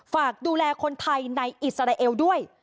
ฝากดูแลคนไทยในอิสราเอลด้วย